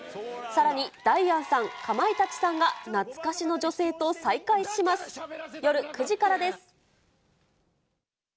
さらにダイアンさん、かまいたちさんが懐かしの女性と再会します。